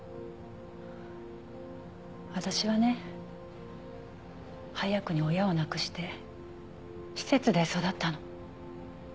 私はね早くに親を亡くして施設で育ったの。